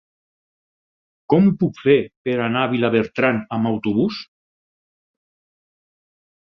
Com ho puc fer per anar a Vilabertran amb autobús?